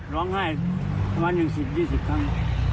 ร้องไห้ประมาณ๑๐๒๐ครั้ง